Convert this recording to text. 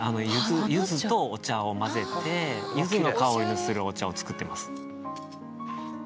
柚子とお茶を混ぜて柚子の香りのするお茶を作ってます。